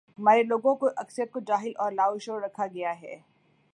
ہمارے لوگوں کی اکثریت کو جاہل اور لاشعور رکھا گیا ہے۔